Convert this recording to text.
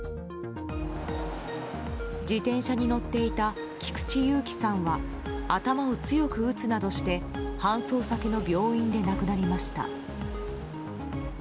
自転車に乗っていた菊地勇喜さんは頭を強く打つなどして搬送先の病院で亡くなりました。